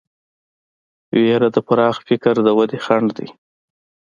وېره د پراخ فکر د ودې خنډ دی.